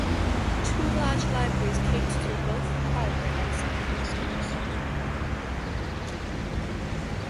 Two large libraries cater to both the Primary and Secondary schools.